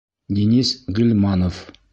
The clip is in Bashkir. Динис ҒИЛМАНОВ.